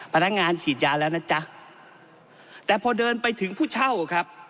พนักงานฉีดยาแล้วนะจ๊ะแต่พอเดินไปถึงผู้เช่าครับ